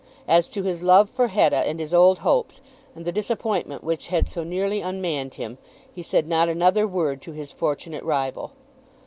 As to his love for Hetta, and his old hopes, and the disappointment which had so nearly unmanned him, he said not another word to his fortunate rival.